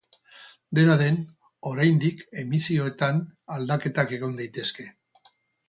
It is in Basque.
Dena den, oraindik emisioetan aldaketak egon daitezke.